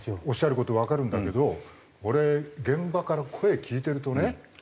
おっしゃる事わかるんだけど俺現場から声聞いてるとね